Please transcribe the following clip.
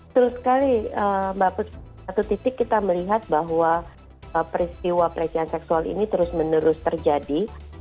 betul sekali mbak putri satu titik kita melihat bahwa peristiwa pelecehan seksual ini terus menerus terjadi